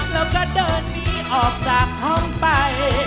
แล้วก็เดินหนีออกจากห้องไป